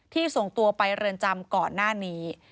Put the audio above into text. ส่งตัวไปเรือนจำก่อนหน้านี้